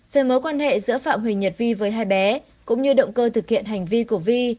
về mối quan hệ giữa phạm huỳnh nhật vi với hai bé cũng như động cơ thực hiện hành vi của vi